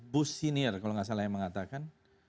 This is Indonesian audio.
bush senior kalau gak salah yang mengatakan